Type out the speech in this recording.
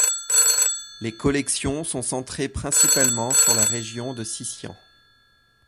Les collections sont centrées principalement sur la région de Sisian.